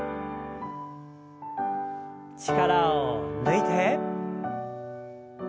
力を抜いて。